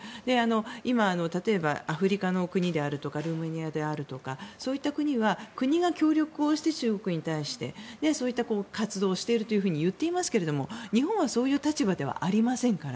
今、例えばアフリカの国であるとかルーマニアであるとかそういった国は国が協力して中国に対してそういった活動をしていると言っていますが日本はそういう立場ではありませんから。